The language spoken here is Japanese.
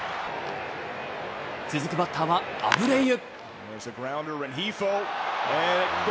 続くバッターはアブレイユ。